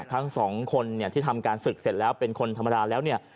ทั้งสองคนเนี่ยที่ทำการศึกเสร็จแล้วเป็นคนธรรมดาแล้วเนี่ย